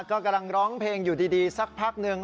ก็กำลังร้องเพลงอยู่ดีสักพักหนึ่ง